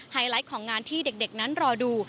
ไลท์ของงานที่เด็กนั้นรอดู